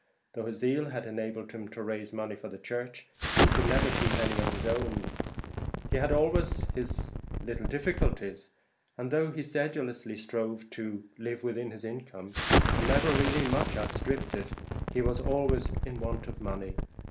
Though his zeal had enabled him to raise money for the church, he could never keep any of his own; he had always his little difficulties, and though he sedulously strove to live within his income, and never really much outstripped it, he was always in want of money.